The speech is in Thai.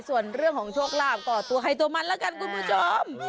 ส่วนเรื่องของโชคลาภก็ตัวใครตัวมันแล้วกันคุณผู้ชม